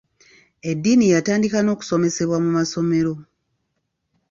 Eddiini yatandika n’okusomesebwa mu masomero.